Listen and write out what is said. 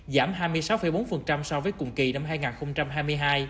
giảm hai mươi sáu bốn so với cùng kỳ năm hai nghìn hai mươi hai